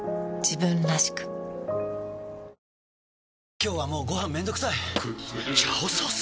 今日はもうご飯めんどくさい「炒ソース」！？